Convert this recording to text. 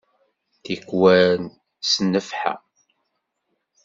Tikwal s nnefḥa!